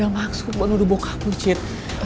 maksud buat nuduh bokaku cit